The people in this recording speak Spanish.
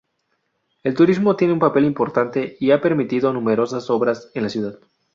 El turismo tiene un papel importante y ha permitido numerosas obras en la ciudad.